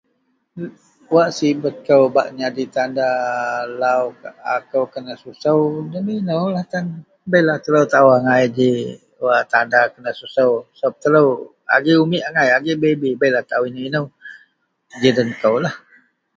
Wak sibet kou bak nyadi tanda lau akou kenasusou debei inoulah tan. Beilah telou taao angai a ji wak tanda kenasusou sebap telou agei umik angai. Agei baby beilah taao inou-inou, ji denkou lah.